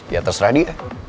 ya terserah dia